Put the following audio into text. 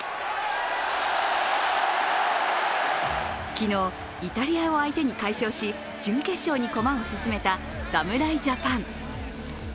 昨日、イタリアを相手に快勝し準決勝進出に駒を進めた侍ジャパン。